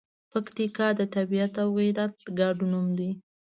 پکتیکا د طبیعت او غیرت ګډ نوم دی.